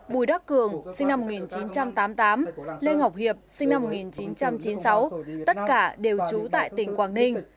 bùi đắc cường sinh năm một nghìn chín trăm tám mươi tám lê ngọc hiệp sinh năm một nghìn chín trăm chín mươi sáu tất cả đều trú tại tỉnh quảng ninh